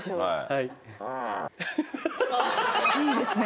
はいいいですね